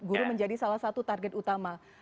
guru menjadi salah satu target utama